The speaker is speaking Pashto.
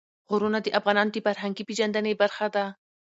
غرونه د افغانانو د فرهنګي پیژندنې برخه ده.